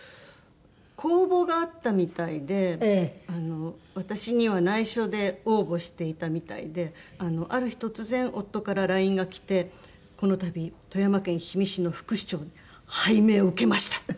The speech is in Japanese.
公募があったみたいで私には内緒で応募していたみたいである日突然夫からＬＩＮＥが来て「このたび富山県氷見市の副市長に拝命を受けました」。